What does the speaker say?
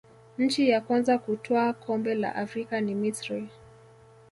nchi ya kwanza kutwaa kombe la afrika ni misri